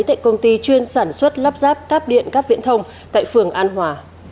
tại công ty chuyên sản xuất lắp ráp cáp điện cáp viễn thông tại phường an hòa